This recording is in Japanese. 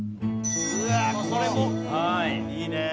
うわあこれも。いいねえ。